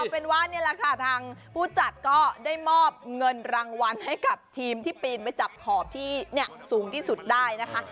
เป็นว่านี่แหละค่ะทางผู้จัดก็ได้มอบเงินรางวัลให้กับทีมที่ปีนไปจับขอบที่สูงที่สุดได้นะคะ